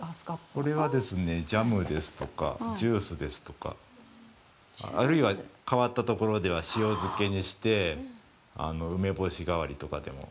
これはジャムですとかジュースですとかあるいは変わったところでは塩漬けにして、梅干しがわりとかでも。